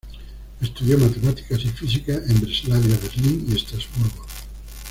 Estudió matemáticas y física en Breslavia, Berlín y Estrasburgo.